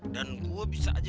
dan gua bisa aja